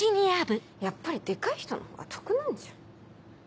やっぱりデカい人のほうが得なんじゃ？